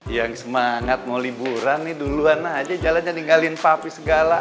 yang semangat mau liburan nih duluan aja jalan jalan tinggalin papi segala